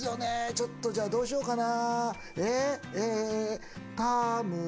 ちょっとじゃあどうしようかな。